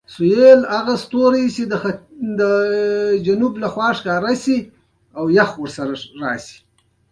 تر شپږ اووه ځله زیات زکریا په "ذ" لیکل شوی.